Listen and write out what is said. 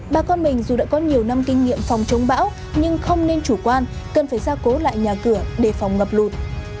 bà con mình dù đã có nhiều năm kinh nghiệm phòng chống bão nhưng không nên chủ quan cần phải ra cố lại nhà cửa để phòng ngập lụt